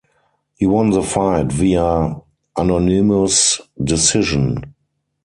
He won the fight via unanimous decision.